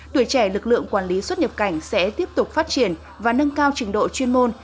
tuổi trẻ lực lượng quản lý xuất nhập cảnh sẽ tiếp tục phát triển và nâng cao trình độ chuyên môn